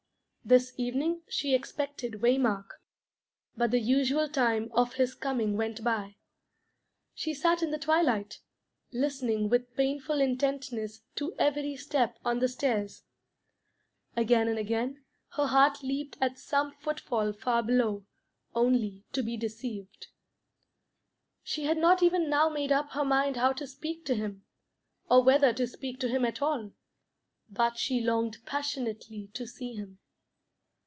This evening she expected Waymark, but the usual time of his coming went by. She sat in the twilight, listening with painful intentness to every step on the stairs; again and again her heart leaped at some footfall far below, only to be deceived. She had not even now made up her mind how to speak to him, or whether to speak to him at all; but she longed passionately to see him.